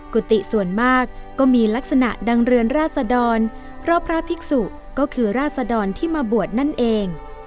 กุฏิส่วนมากก็มีลักษณะดังเรือนราษดรเพราะพระภิกษุก็คือราศดรที่มาบวชนั่นเอง